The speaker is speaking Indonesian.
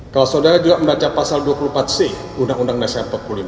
kalau saudara juga membaca pasal dua puluh empat c undang undang dasar empat puluh lima